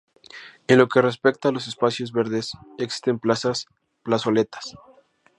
En lo que respecta a los espacios verdes, existen plazas, plazoletas.